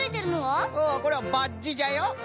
んこれはバッジじゃよ。